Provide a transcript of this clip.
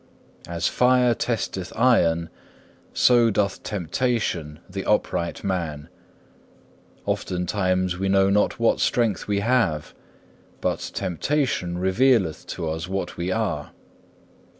As fire testeth iron, so doth temptation the upright man. Oftentimes we know not what strength we have; but temptation revealeth to us what we are.